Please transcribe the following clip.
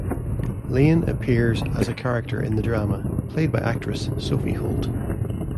Lane appears as a character in the drama, played by actress Sophie Holt.